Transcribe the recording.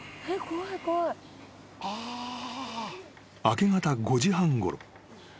［明け方５時半ごろ］